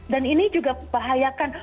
dan ini juga bahayakan